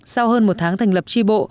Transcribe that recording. sau hơn một tháng thành lập tri bộ